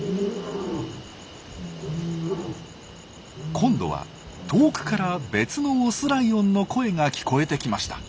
今度は遠くから別のオスライオンの声が聞こえてきました。